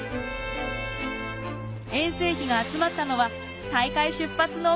遠征費が集まったのは大会出発の３日前。